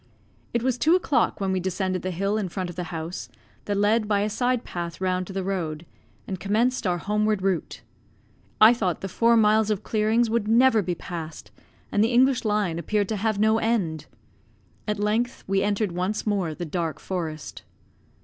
It was two o'clock when we descended the hill in front of the house, that led by a side path round to the road, and commenced our homeward route. I thought the four miles of clearings would never be passed; and the English Line appeared to have no end. At length we entered once more the dark forest.